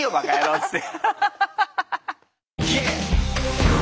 っつって。